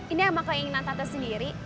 ini emang keinginan tante sendiri